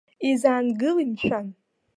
Изаангылеи, мшәан?!